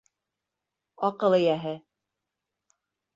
Аҡыл эйәһе: